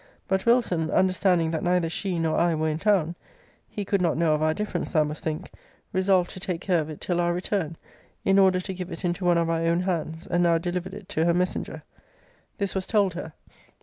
But Wilson, understanding that neither she nor I were in town, [he could not know of our difference thou must think,] resolved to take care of it till our return, in order to give it into one of our own hands; and now delivered it to her messenger.' This was told her.